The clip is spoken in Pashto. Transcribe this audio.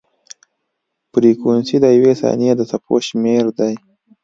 فریکونسي د یوې ثانیې د څپو شمېر دی.